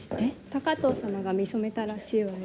高藤様が見初めたらしいわよ。